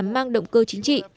mang động cơ chính trị